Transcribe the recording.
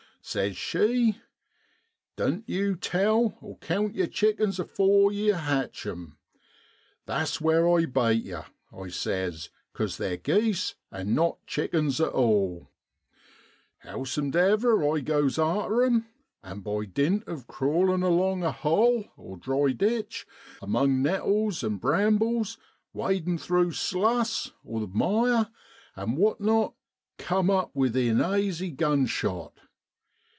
Says she, < Doan't yow tell (count) yer chickens afore yer hatch 'em.' Tha's whare I bate yer, I says, 'cos they're geese an' not chickens at all ! 'Howsomdever, I goes arter 'em, and by dint of crawlin' along aholl (dry ditch) among nettles an' brambles, wadin', through sluss (mire), and what not, cum up within aisy gun shot.